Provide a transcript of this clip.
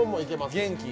元気。